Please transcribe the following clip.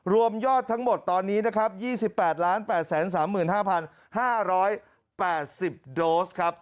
รวมยอดทั้งหมดตอนนี้นะครับ๒๘๘๓๕๕๘๐โดสครับ